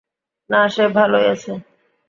না, সে ভালোই আছে।